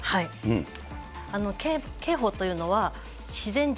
刑法というのは、自然人、